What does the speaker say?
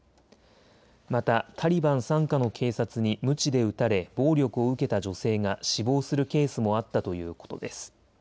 またタリバン傘下の警察にむちで打たれ暴力を受けた女性が死亡するケースもあったということです。